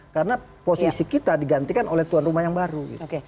karena posisi kita digantikan oleh tuan rumah yang baru